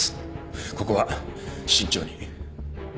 ここは慎重に。